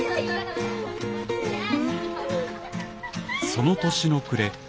その年の暮れ